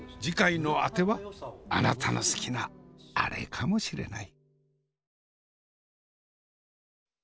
次回のあてはあなたの好きなアレかもしれない。